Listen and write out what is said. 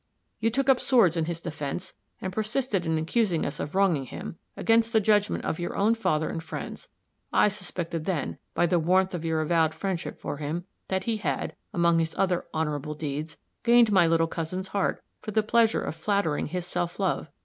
You took up swords in his defense, and persisted in accusing us of wronging him, against the judgment of your own father and friends. I suspected, then, by the warmth of your avowed friendship for him, that he had, among his other honorable deeds, gained my little cousin's heart, for the pleasure of flattering his self love.